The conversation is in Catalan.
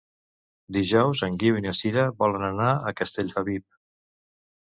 Dijous en Guiu i na Sira volen anar a Castellfabib.